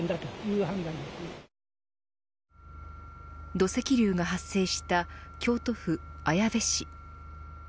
土石流が発生した京都府綾部市。